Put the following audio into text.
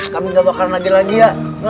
kami gak bakar lagi lagi ya